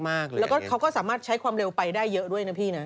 แล้วก็เขาก็สามารถใช้ความเร็วไปได้เยอะด้วยนะพี่นะ